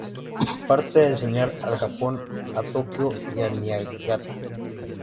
Parte a enseñar al Japón a Tokio y a Niigata.